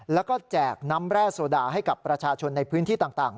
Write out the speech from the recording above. แล้วก็แจกน้ำแร่โซดาให้กับประชาชนในพื้นที่ต่าง